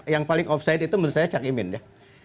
yang paling offside itu menurut saya cak imin ya